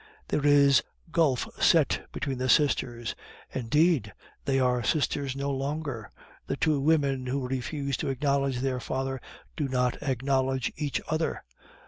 There is gulf set between the sisters indeed, they are sisters no longer the two women who refuse to acknowledge their father do not acknowledge each other.